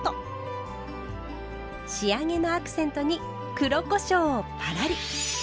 仕上げのアクセントに黒こしょうをパラリ。